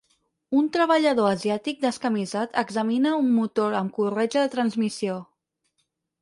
Un treballador asiàtic descamisat examina un motor amb corretja de transmissió.